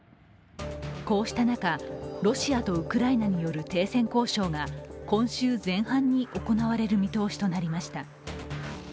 こうした中、ロシアとウクライナによる停戦交渉が今週前半に行われる見通しとなりました。